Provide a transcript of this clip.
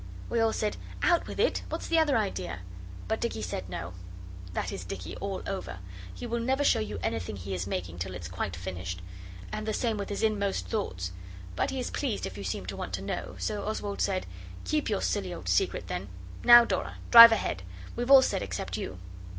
We all said, 'Out with it what's the other idea?' But Dicky said, 'No.' That is Dicky all over. He never will show you anything he's making till it's quite finished, and the same with his inmost thoughts. But he is pleased if you seem to want to know, so Oswald said 'Keep your silly old secret, then. Now, Dora, drive ahead. We've all said except you.